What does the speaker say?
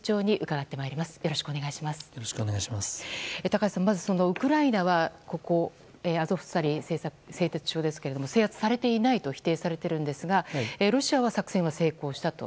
高橋さん、まずウクライナはアゾフスタリ製鉄所ですけど制圧されていないと否定されているんですがロシアは作戦は成功したと。